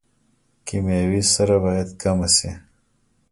کیمیاوي سره باید کمه شي